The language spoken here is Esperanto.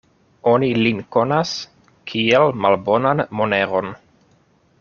Oni lin konas, kiel malbonan moneron.